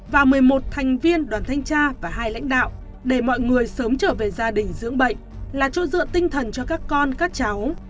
và một mươi một thành viên đoàn thanh tra và hai lãnh đạo để mọi người sớm trở về gia đình dưỡng bệnh là chỗ dựa tinh thần cho các con các cháu